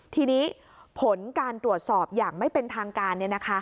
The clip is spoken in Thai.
ทีนี้ผลการตรวจสอบอย่างไม่เป็นทางการ